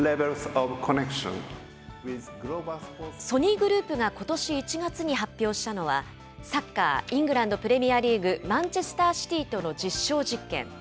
ソニーグループが、ことし１月に発表したのは、サッカー、イングランドプレミアリーグ・マンチェスターシティーとの実証実験。